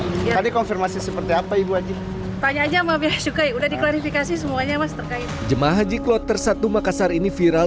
mau beres juga udah diklarifikasi semuanya mas terkait jemaah haji klopter satu makassar ini viral